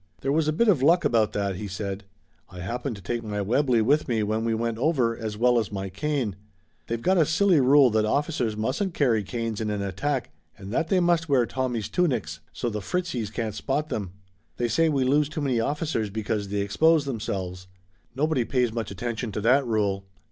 "There was a bit of luck about that," he said. "I happened to take my Webley with me when we went over, as well as my cane. They've got a silly rule now that officers mustn't carry canes in an attack and that they must wear Tommies' tunics, so the Fritzies can't spot them. They say we lose too many officers because they expose themselves. Nobody pays much attention to that rule.